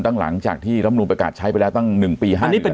ตั้งหลังจากที่รัฐธรรมนุนประกาศใช้ไปแล้วตั้งหนึ่งปีห้าอันนี้เป็น